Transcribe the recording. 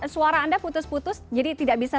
suara anda putus putus jadi tidak bisa